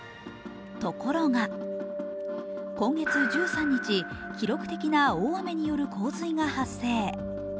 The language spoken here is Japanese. ところが今月１３日、記録的な大雨による洪水が発生。